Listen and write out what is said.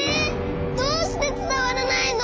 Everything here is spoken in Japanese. どうしてつたわらないの？